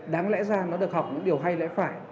đáng lẽ ra nó được học những điều hay lẽ phải